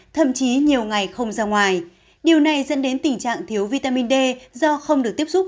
thậm chí nhiều ngày không ra ngoài điều này dẫn đến tình trạng thiếu vitamin d do không được tiếp xúc